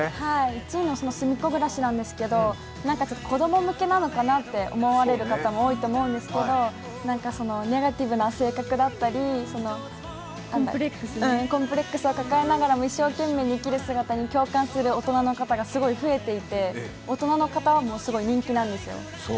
１位の「すみっコぐらし」なんですけど子供向けなのかなって思われる方も多いと思うんですけどネガティブな性格だったり、コンプレックスを抱えながらも一生懸命に生きる姿に共感する大人の方がすごい増えていて、大人の方にもすごい人気なんですよ。